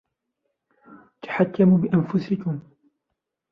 تَحَكَموا بأنفُسَكُم.